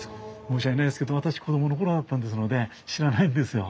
申し訳ないんですけど私子供の頃だったんですので知らないんですよ。